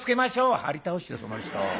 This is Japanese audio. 「はり倒してその人」。